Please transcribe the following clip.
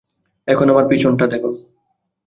এখন আমার পিছন টা দেখ।